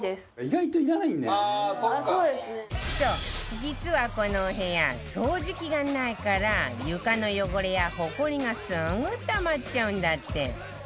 そう実はこのお部屋掃除機がないから床の汚れやホコリがすぐたまっちゃうんだって